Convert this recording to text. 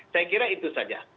saya kira itu saja